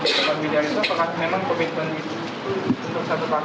kemudian yang kedua